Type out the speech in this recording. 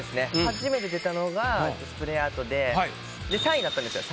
初めて出たのがスプレーアートで３位だったんですよ。